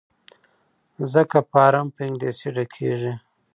ځکه فارم په انګلیسي ډکیږي.